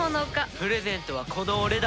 プレゼントはこの俺だ。